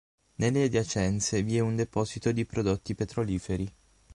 Nelle adiacenze vi è un deposito di prodotti petroliferi.